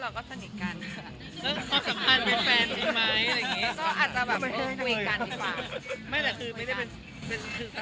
แล้วก็ตอนที่พูดสงสัยมาเกลียดแล้วเป็นแฟนกันเรารู้สึกอย่างไรกับตอนนั้น